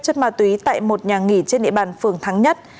chất ma túy tại một nhà nghỉ trên địa bàn phường thắng nhất